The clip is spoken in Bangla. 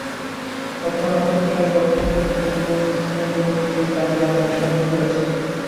রক্ষণাত্মক খেলায় স্বচ্ছন্দ হতে এবং স্পিনের বিপক্ষে খেলতে আমাদের অনেক সাহায্য করেছেন।